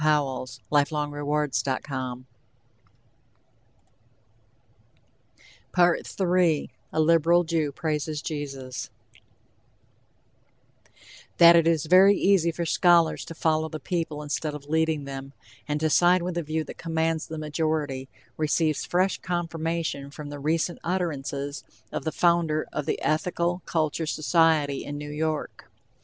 Museum of St. Germain.] A LIBERAL JEW ON JESUS FELIX ADLER, PRAISES JESUS That it is very easy for scholars to follow the people instead of leading them, and to side with the view that commands the majority, receives fresh confirmation from the recent utterances of the founder of the Ethical Culture Society in New York.